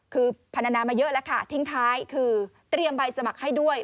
คือพันนามาเยอะแล้วค่ะทิ้งท้ายคือเตรียมใบสมัครให้ด้วย